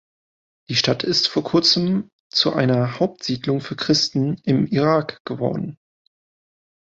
Die Stadt ist vor kurzem zu einer Hauptsiedlung für Christen im Irak geworden.